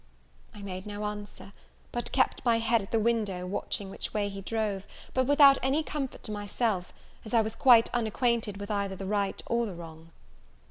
I made no answer, but kept my head at the window watching which way he drove, but without any comfort to myself, as I was quite unacquainted with either the right or the wrong.